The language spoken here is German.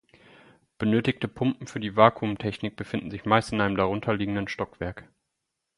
Benötigte Pumpen für die Vakuumtechnik befinden sich meist in einem darunterliegenden Stockwerk.